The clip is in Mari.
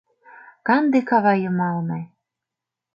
Канде кава йымалне